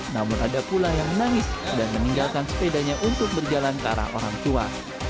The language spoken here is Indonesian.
namun ada pula yang menangis dan meninggalkan sepedanya untuk berjalan ke arah orang tua